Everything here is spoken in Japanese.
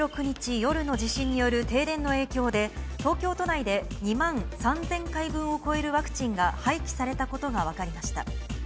１６日夜の地震による停電の影響で、東京都内で２万３０００回分を超えるワクチンが廃棄されたことが分かりました。